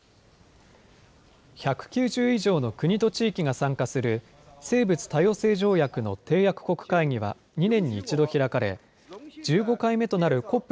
１９０以上の国と地域が参加する、生物多様性条約の締約国会議は２年に１度開かれ、１５回目となるＣＯＰ